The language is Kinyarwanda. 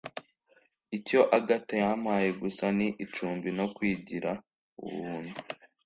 Icyo Agatha yampaye gusa ni icumbi no kwigira ubuntu